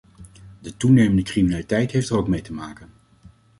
De toenemende criminaliteit heeft er ook mee te maken.